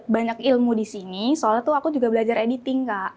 banyak ilmu di sini soalnya aku juga belajar editing